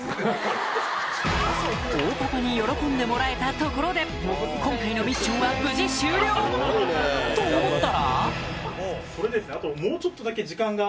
大パパに喜んでもらえたところで今回のミッションは無事終了！と思ったらそれでですねあと。